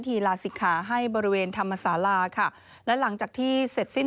เนอะแล้วใช้หัวใจก็พูดนิ้งเชื่อเลย